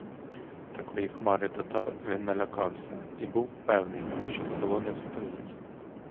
Такої хмари татар він налякався і був певний, що село не встоїть.